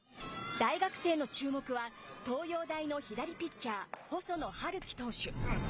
大学生の注目は、東洋大の左ピッチャー、細野晴希投手。